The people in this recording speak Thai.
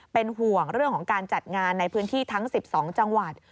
เป็นห่วงเรื่องของการจัดงานในพื้นที่ทั้ง๑๒จังหวัด